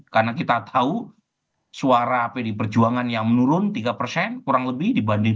karena kita tahu suara pd perjuangan yang menurun tiga kurang lebih dibanding dua ribu sembilan belas